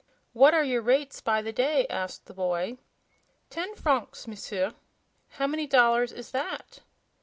"What are your rates by the day?" asked the boy. "Ten francs, M'sieur." "How many dollars is that?"